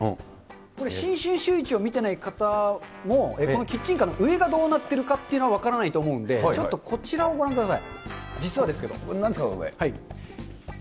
これ、新春シューイチを見てない方も、キッチンカーの上がどうなってるかというのは分からないと思うんで、ちょっとこちらをご覧ください。